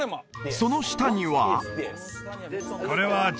その下には？